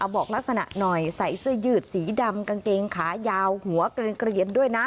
บอกลักษณะหน่อยใส่เสื้อยืดสีดำกางเกงขายาวหัวเกลียนด้วยนะ